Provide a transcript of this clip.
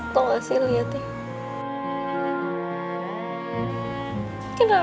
kamu selalu kebawa